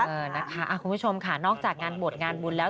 นะคะคุณผู้ชมค่ะนอกจากงานบวชงานบุญแล้ว